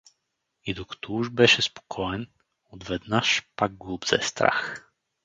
И докато уж беше спокоен, отведнаж пак го обзе страх.